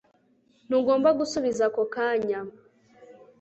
Ntugomba gusubiza ako kanya